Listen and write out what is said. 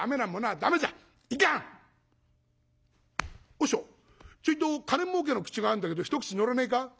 「和尚ちょいと金儲けの口があんだけど一口乗らねえか？」。